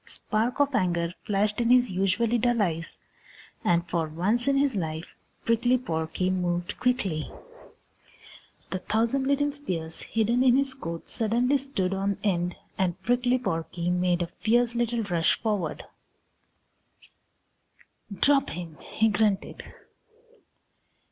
A spark of anger flashed in his usually dull eyes and for once in his life Prickly Porky moved quickly. The thousand little spears hidden in his coat suddenly stood on end and Prickly Porky made a fierce little rush forward. [Illustration: "Drop him!" he grunted. Page 89.] "Drop him!" he grunted.